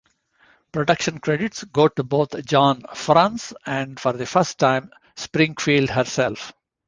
Production credits go to both John Franz, and for the first time, Springfield herself.